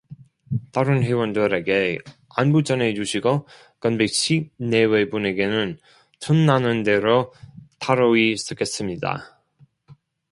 다른 회원들에게 안부 전해 주시고 건배 씨 내외분에게는 틈나는 대로 따 로이 쓰겠습니다.